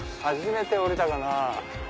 初めて降りたかな。